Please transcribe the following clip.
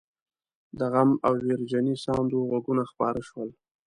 د غم او ويرجنې ساندو غږونه خپاره شول.